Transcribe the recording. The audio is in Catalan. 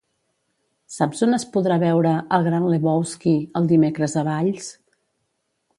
Saps on es podrà veure "El gran Lebowski" el dimecres a Valls?